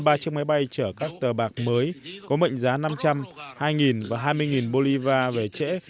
ba chiếc máy bay chở các tờ bạc mới có mệnh giá năm trăm linh hai và hai mươi bolivar về trễ